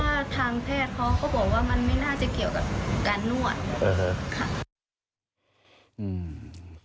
ถ้าทางแพทย์เขาก็บอกว่ามันไม่น่าจะเกี่ยวกับการนวด